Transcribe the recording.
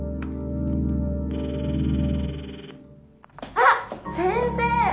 あっ先生ッ！